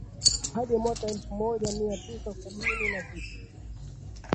hadi mwaka elfu moja mia tisa sabini na sita